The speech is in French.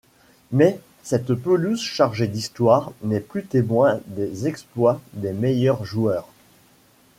Mais cette pelouse chargée d’histoire n'est plus témoin des exploits des meilleurs joueurs.